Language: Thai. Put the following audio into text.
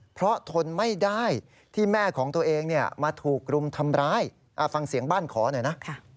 เพราะทนไม่ได้ที่แม่ของตัวเองมาถูกรุมทำร้ายฟังเสียงบ้านขอหน่อยนะ